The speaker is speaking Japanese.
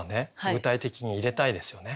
具体的に入れたいですよね。